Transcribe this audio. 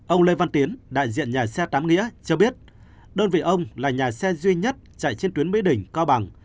ông lê văn tiến đại diện nhà xe tám nghĩa cho biết đơn vị ông là nhà xe duy nhất chạy trên tuyến mỹ đình cao bằng